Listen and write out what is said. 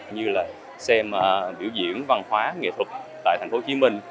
như là xem biểu diễn văn hóa nghệ thuật tại thành phố hồ chí minh